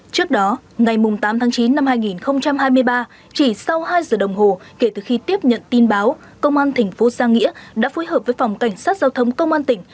trước đó ngày tám tháng chín năm hai nghìn hai mươi ba chỉ sau hai giờ đồng hồ kể từ khi tiếp nhận tin báo công an thành phố giang nghĩa đã phối hợp với phòng cảnh sát giao thông công an tỉnh